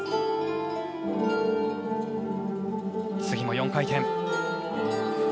次も４回転。